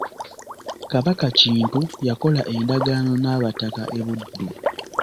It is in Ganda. Kabaka Kintu yakola endagaano n’abataka e Buddu.